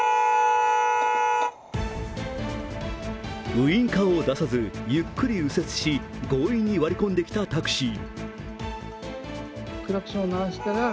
ウインカーを出さずゆっくり右折し強引に割り込んできたタクシー。